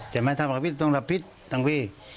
จะไม่ทำความผิดก็ต้องกลับผิดทั้งพี่